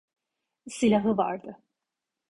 Silahı vardı.